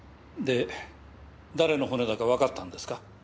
で誰の骨だかわかったんですか？